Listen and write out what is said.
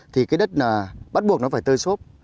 thì cái đất bắt buộc nó phải tơi sốt